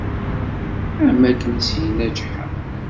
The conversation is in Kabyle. Am akken i s-yenna ğeḥḥa.